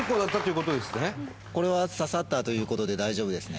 これは刺さったという事で大丈夫ですね。